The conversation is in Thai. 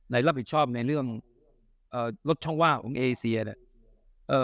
รับผิดชอบในเรื่องเอ่อลดช่องว่างของเอเซียเนี่ยเอ่อ